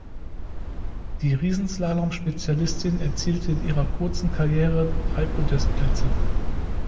Die Riesenslalom-Spezialistin erzielte in ihrer kurzen Karriere drei Podestplätze.